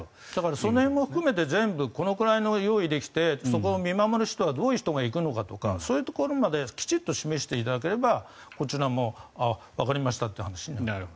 その辺も含めてどのくらい用意できてそこの見守る人はどういう人が行くのかとかそういうところまできちんと示していただければこちらもわかりましたっていう話になる。